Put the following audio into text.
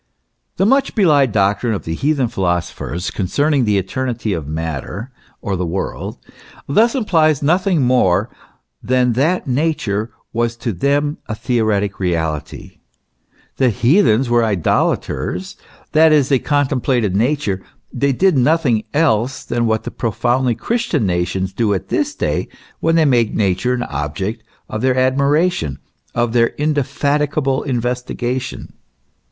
The much belied doctrine of the heathen philosophers con cerning the eternity of matter, or the world, thus implies nothing more than that Nature was to them a theoretic reality.* The heathens were idolaters, that is, they contemplated Nature ; they did nothing else than what the profoundly Christian nations do at this day, when they make nature an object of their admiration, of their indefatigable investigation.